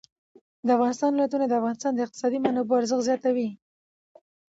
د افغانستان ولايتونه د افغانستان د اقتصادي منابعو ارزښت زیاتوي.